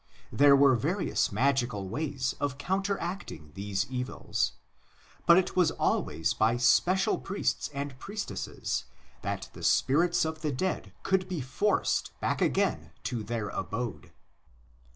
3 There were various magical ways of counteracting these evils, but it was always by special priests and priestesses that the spirits of the dead could be forced back again to their abode.